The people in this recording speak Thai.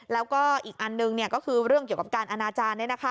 แล้วก็อีกอันหนึ่งก็คือเรื่องเกี่ยวกับการอนาจารย์